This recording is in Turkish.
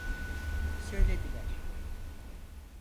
Söylediler.